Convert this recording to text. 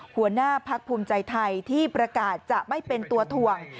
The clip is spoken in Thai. หัวหน้าพักภูมิใจไทยที่ประกาศจะไม่เป็นตัวถ่วง